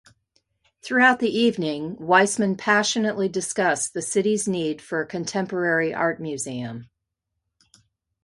Throughout the evening, Weisman passionately discussed the city's need for a contemporary art museum.